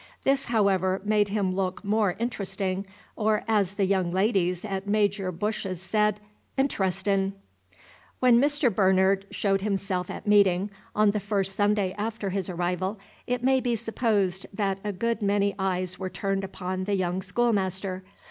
This, however, made him look more interesting, or, as the young ladies at Major Bush's said, "interestin'." When Mr. Bernard showed himself at meeting, on the first Sunday after his arrival, it may be supposed that a good many eyes were turned upon the young schoolmaster.